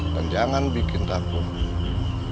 dan jangan bikin takut